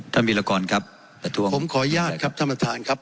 วิรากรครับประท้วงผมขออนุญาตครับท่านประธานครับ